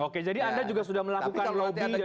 oke jadi anda juga sudah melakukan lobby